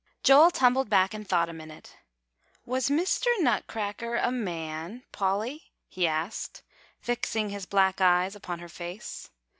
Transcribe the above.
Joel tumbled back and thought a minute. "Was Mr. Nutcracker a man, Polly?" he asked, fixing his black eyes upon her face.